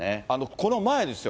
この前ですよ。